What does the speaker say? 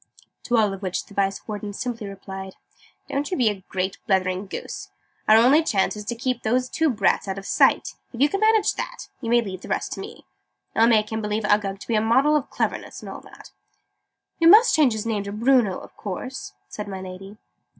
To all of which the Vice Warden simply replied "Don't you be a great blethering goose! Our only chance is to keep those two brats out of sight. If you can manage that, you may leave the rest to me. I'll make him believe Uggug to be a model of cleverness and all that." "We must change his name to Bruno, of course?" said my Lady.